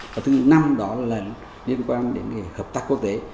và thứ năm đó là liên quan đến hợp tác quốc tế